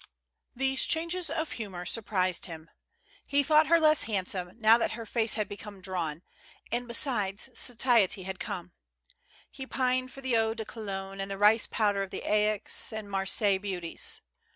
These changes of hurnqr surprised him. lie thought 9 ■' 146 THE LANDSLIP. her less haudsome, now that her face had become drawn ; and besides satiety had come. He pined for the eau de Cologne and the rice powder of the Aix and Marseilles beauties.